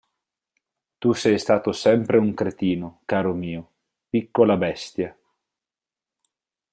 Tu sei stato sempre un cretino, caro mio, piccola bestia.